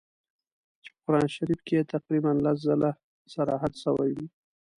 چي په قرآن شریف کي یې تقریباً لس ځله صراحت سوی وي.